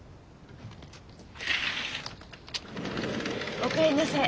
お帰りなさい。